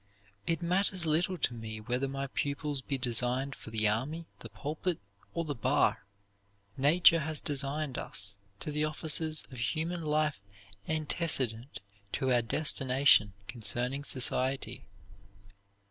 It matters little to me whether my pupils be designed for the army, the pulpit, or the bar. Nature has destined us to the offices of human life antecedent to our destination concerning society.